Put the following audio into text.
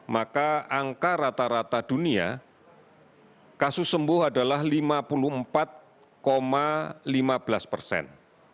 maka angka rata rata dunia kasus sembuh adalah lima puluh empat lima belas persen